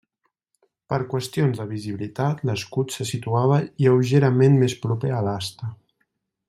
Per qüestions de visibilitat l'escut se situava lleugerament més proper a l'asta.